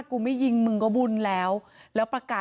เหตุการณ์เกิดขึ้นแถวคลองแปดลำลูกกา